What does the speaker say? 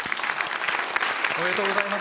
おめでとうございます。